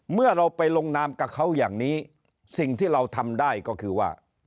เมื่อเราไปลงนามกับเขาอย่างนี้สิ่งที่เราทำได้ก็คือว่า